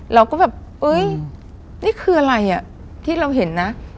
เราก็แบบนี่คืออะไรที่เราเห็นนะ